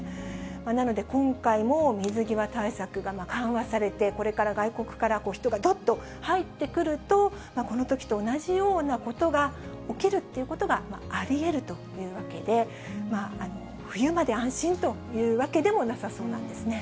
なので、今回も水際対策が緩和されて、これから外国から人がどっと入ってくると、このときと同じようなことが起きるっていうことがありえるというわけで、冬まで安心というわけでもなさそうなんですね。